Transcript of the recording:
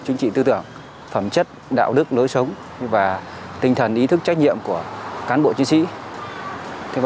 chính trị tư tưởng phẩm chất đạo đức lối sống và tinh thần ý thức trách nhiệm của cán bộ chiến sĩ